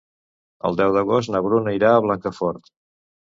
El deu d'agost na Bruna irà a Blancafort.